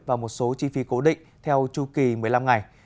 và một số chi phí cố định theo chu kỳ một mươi năm ngày